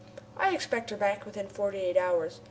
"We expect her back within forty eight hours.